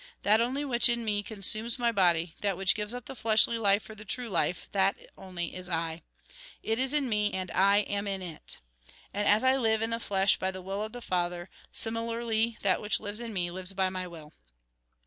That only which in me consumes my body, that which gives up the fleshly life for the true life, that only is I. It is in me, and I am in it.. And as I live in the flesh by the will of the Father, similarly, that which lives in me lives by my will."